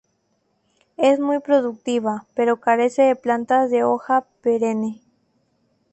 Es muy productiva, pero carece de plantas de hoja perenne.